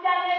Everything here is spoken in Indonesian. eh gak bok